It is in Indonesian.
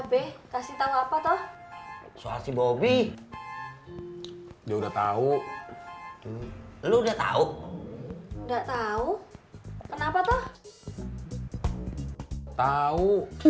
bekasitau apa tuh soal si bobby dia udah tahu lu udah tahu udah tahu kenapa tuh tahu